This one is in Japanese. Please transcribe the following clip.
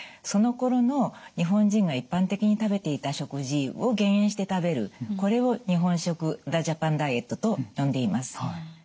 そのころの日本人が一般的に食べていた食事を減塩して食べるこれを日本食ザ・ジャパン・ダイエットと呼んでいます。